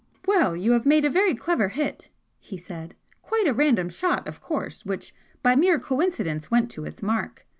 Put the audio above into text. "Well, you have made a very clever hit!" he said "Quite a random shot, of course which by mere coincidence went to its mark!